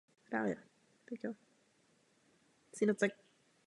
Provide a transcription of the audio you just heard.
Nejvýznamnější obory jsou informační technologie a fyzikální inženýrství.